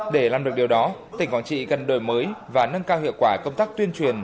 để làm được điều đó tỉnh quảng trị cần đổi mới và nâng cao hiệu quả công tác tuyên truyền